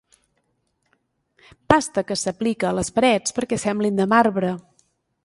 Pasta que s'aplica a les parets perquè semblin de marbre.